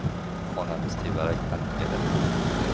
Onamiz tevarak alangladi.